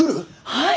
はい！